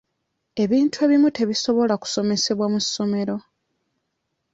Ebintu ebimu tebisobola kusomesebwa mu ssomero.